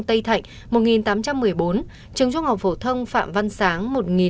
tây thạnh một tám trăm một mươi bốn trường trung học phổ thông phạm văn sáng một bảy trăm năm mươi bảy